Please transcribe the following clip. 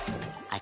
あ！